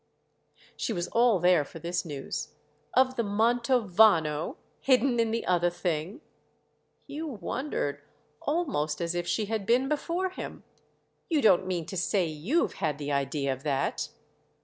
She was all there for this news. "Of the Manto vano—hidden in the other thing?" Hugh wondered—almost as if she had been before him. "You don't mean to say you've had the idea of that?"